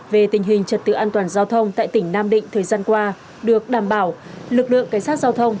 về tình hình trật tự an toàn giao thông tại tỉnh nam định thời gian qua được đảm bảo lực lượng cảnh sát giao thông